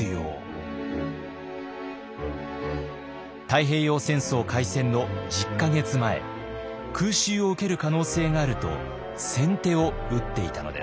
太平洋戦争開戦の１０か月前空襲を受ける可能性があると先手を打っていたのです。